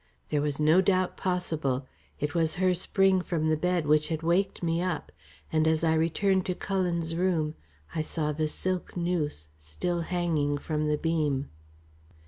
There was no doubt possible. It was her spring from the bed which had waked me up, and as I returned to Cullen's room, I saw the silk noose still hanging from the beam.